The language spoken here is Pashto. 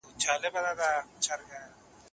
څنګه ډاکټر د لوړ ږغ سره پاڼه ړنګوي؟